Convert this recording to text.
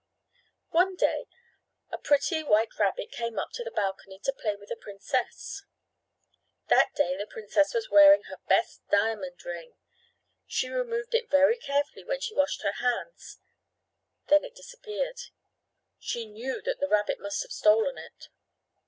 One day a pretty white rabbit came up to the balcony to play with the princess. That day the princess was wearing her best diamond ring. She removed it very carefully when she washed her hands. Then it disappeared. She knew that the rabbit must have stolen it.